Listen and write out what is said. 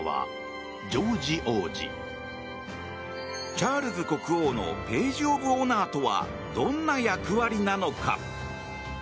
チャールズ国王のページ・オブ・オナーとはどんな役割なのか。